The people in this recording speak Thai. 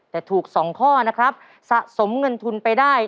แต่ถูก๒ข้อนะครับสะสมเงินทุนไปได้